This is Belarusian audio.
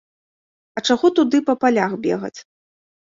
А чаго туды па палях бегаць?